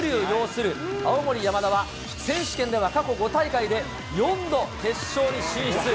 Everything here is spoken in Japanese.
擁する青森山田は、選手権では過去５大会で、４度決勝に進出。